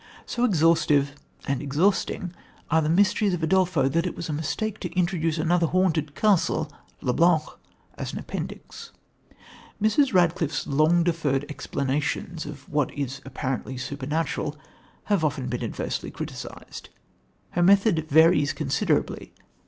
So exhaustive and exhausting are the mysteries of Udolpho that it was a mistake to introduce another haunted castle, le Blanc, as an appendix. Mrs. Radcliffe's long deferred explanations of what is apparently supernatural have often been adversely criticised. Her method varies considerably.